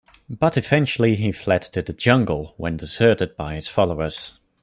But eventually he fled to the jungle when deserted by his followers.